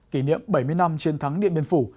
kỷ niệm bảy mươi năm chiến thắng điện biên phủ